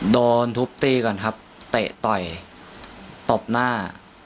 โดนทุบตีก่อนครับเตะต่อยตบหน้า